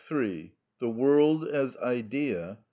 THE WORLD AS IDEA.